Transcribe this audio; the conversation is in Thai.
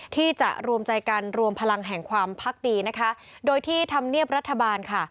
ที่จะรวมใจกันรวมพลังแห่งความพักดีนะคะโดยที่ธรรมเนียบรัฐบาลค่ะ